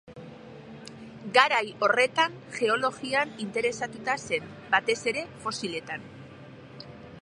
Garai horretan geologian interesatu zen, batez ere fosiletan.